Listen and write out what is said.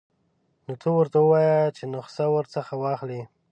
نو ته ورته ووایه چې نخښه ورڅخه واخلئ.